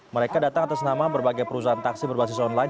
mereka datang atas nama berbagai perusahaan taksi berbasis online